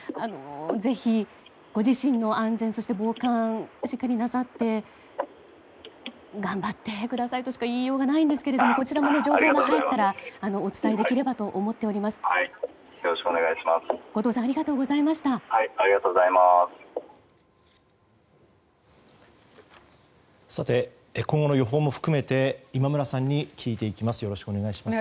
ぜひ、ご自身の安全そして、防寒しっかりなさって頑張ってくださいとしか言いようがないんですけどこちらも情報が入ったらお伝えできればと思います。